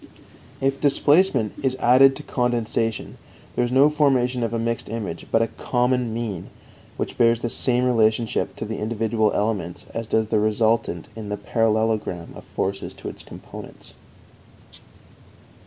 If displacement is added to condensation, there is no formation of a mixed image, but a common mean which bears the same relationship to the individual elements as does the resultant in the parallelogram of forces to its components.